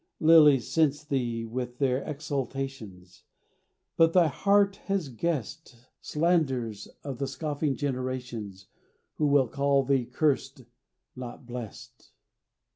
Lilies cense thee with their exhalations, But thy heart has guessed Slanders of the scoffing generations Who will call thee cursed, not blessed.